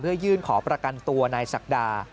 ยื่นขอประกันตัวนายศักดา